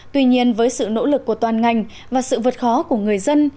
tuy nhiên với sự nỗ lực của toàn ngành và sự vượt khó của người dân